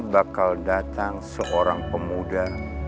bakal datang seorang pemuda